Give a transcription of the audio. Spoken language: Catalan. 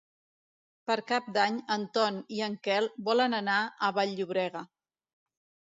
Per Cap d'Any en Ton i en Quel volen anar a Vall-llobrega.